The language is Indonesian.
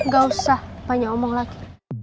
gak usah banyak omong lagi